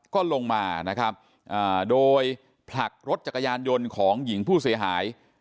ก็ลงมานะครับโดยผลักรถจักรยานยนต์ของหญิงผู้เสียหาย